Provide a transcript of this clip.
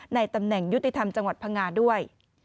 ในตำแหน่งยุติธรรมจังหวัดพังงาด้วย